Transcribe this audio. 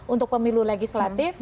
untuk pemilu legislatif